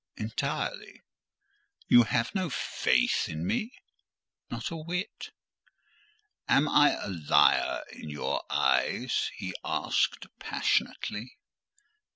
"Entirely." "You have no faith in me?" "Not a whit." "Am I a liar in your eyes?" he asked passionately.